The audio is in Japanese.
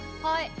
はい。